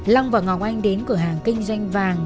long và ngọc anh đến cửa hàng kinh doanh vàng